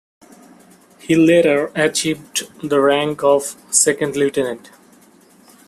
He later achieved the rank of Second Lieutenant.